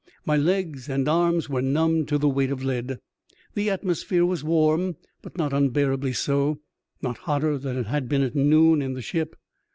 My legs and arms were numbed to the weight of lead. The atmosphere was warm, but not unbearably so — not hotter than it had been at noon in the ship.